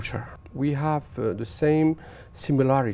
chúng tôi có những lợi nhuận